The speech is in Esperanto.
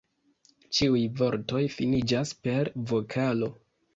Ĉiuj vortoj finiĝas per vokalo.